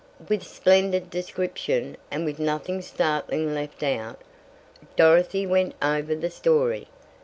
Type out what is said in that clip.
With splendid description, and with nothing startling left out, Dorothy went over the story.